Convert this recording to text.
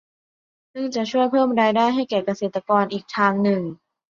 ซึ่งจะช่วยเพิ่มรายได้ให้แก่เกษตรกรอีกทางหนึ่ง